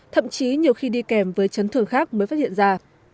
thậm chí nhiều khi đi kèm với chấn thương khác mới phát hiện ra